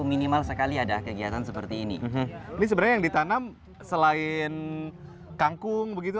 minimal sekali ada kegiatan seperti ini ini sebenarnya yang ditanam selain kangkung begitu